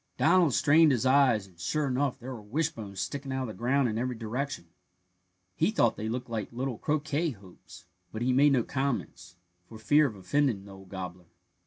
Donald strained his eyes, and, sure enough, there were wishbones sticking out of the ground in every direction. He thought they looked like little croquet hoops, but he made no comments, for fear of offending the old gobbler.